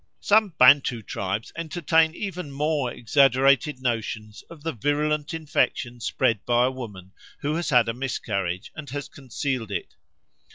Some Bantu tribes entertain even more exaggerated notions of the virulent infection spread by a woman who has had a miscarriage and has concealed it.